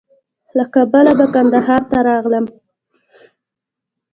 له کابله به کندهار ته راغلم.